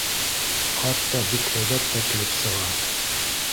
Хатта бик һәйбәт тә килеп сыға.